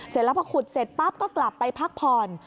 เสร็จแล้วพอขุดเสร็จปั๊บก็กลับไปพักผ่อน